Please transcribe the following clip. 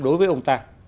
đối với ông ta